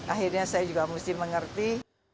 akhirnya saya juga mesti mengerti